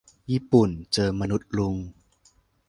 ญี่ปุ่นเจอมนุษย์ลุง